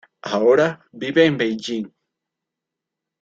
Ahora vive en Beijing.